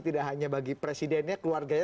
tidak hanya bagi presidennya keluarganya